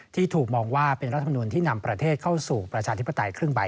ที่ถูกมองว่าเป็นรัฐมนุนที่นำประเทศเข้าสู่ประชาธิปไตยครึ่งใบ